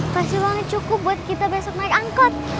pasti banget cukup buat kita besok naik angkot